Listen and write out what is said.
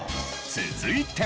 続いて。